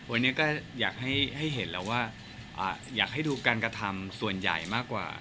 วันนี้ก็อยากให้เห็นแล้วว่าอยากให้ดูการกระทำส่วนใหญ่มากกว่า